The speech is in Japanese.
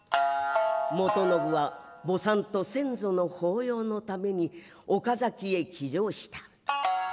元信は墓参と先祖の法要の為に岡崎へ帰城した。